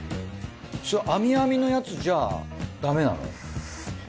それあみあみのやつじゃダメなの？